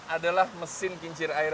adalah mesin kincir air